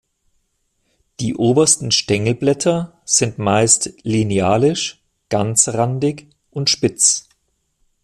Die obersten Stängelblätter sind meist linealisch, ganzrandig und spitz.